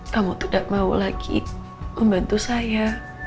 kamu tidak mau lagi membantu saya